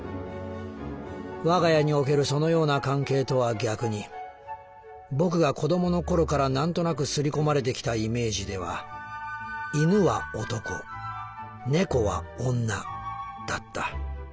「我が家におけるそのような関係とは逆に僕が子どもの頃からなんとなく刷り込まれてきたイメージでは犬は男猫は女だった。